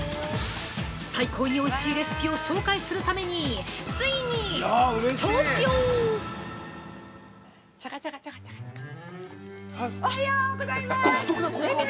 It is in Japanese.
最高においしいレシピを紹介するために、ついに登場。